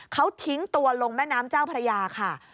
เขาทิ้งตัวลงแม่น้ำเจ้าพระยาค่ะ